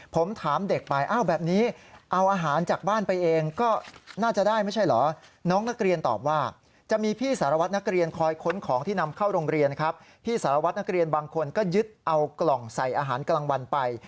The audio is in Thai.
พี่สารวัดนักเรียนบางคนก็ยึดเอากล่องใส่อาหารกลางวันไป